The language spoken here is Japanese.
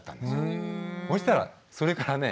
そしたらそれからね